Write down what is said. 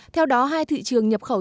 theo đó hai thị trường nhập khẩu